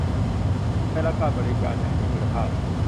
ได้รับการบริการอย่างมีคุณภาพ